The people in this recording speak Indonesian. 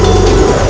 itu udah gila